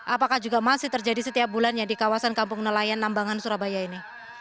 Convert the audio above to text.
apakah juga masih terjadi setiap bulannya di kawasan kampung nelayan nambangan surabaya ini